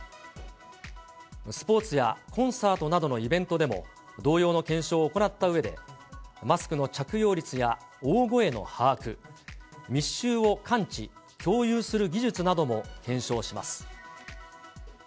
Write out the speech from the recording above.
スポーツやコンサートなどのイベントでも、同様の検証を行ったうえで、マスクの着用率や大声の把握、密集を感知・共有する技術なども検証します。